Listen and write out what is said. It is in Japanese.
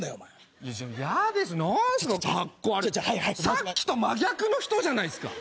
さっきと真逆の人じゃないっすか。